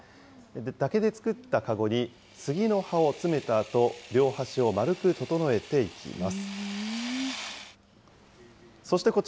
竹で作った籠に杉の葉を詰めたあと、両端を丸く整えていきます。